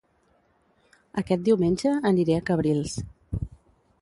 Aquest diumenge aniré a Cabrils